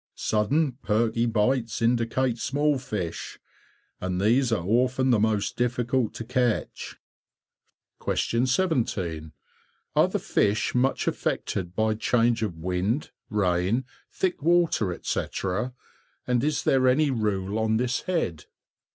Sudden perky bites indicate small fish, and these are often the most difficult to catch. 17. Are the fish much affected by change of wind, rain, thick water, etc., and is there any rule on this head?